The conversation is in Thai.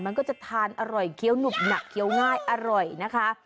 มันก็จะทานอร่อยเคี้ยวหนุบหนักเคี้ยวง่ายอร่อยนะคะ